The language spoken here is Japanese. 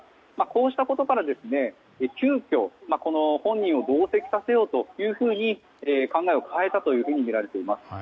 こうしたことから、急きょ本人を同席させようと考えを変えたとみられています。